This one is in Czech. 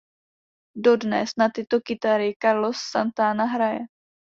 Dodnes na tyto kytary Carlos Santana hraje.